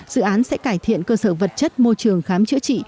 dự án sẽ cải thiện cơ sở vật chất môi trường khám chữa trị